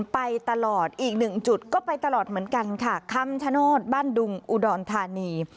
ไปตลอดอีกหนึ่งจุดก็ไปตลอดเหมือนกันค่ะคำชโนธบ้านดุงอุดรธานี